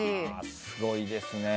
すごいですね。